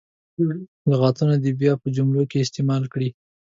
لغتونه دې بیا په جملو کې استعمال کړي.